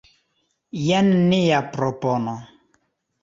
Jen nia propono.